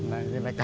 nah ini lekat